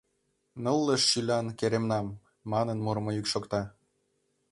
Нылле шӱлян керемнам!» Манын, мурымо йӱк шокта...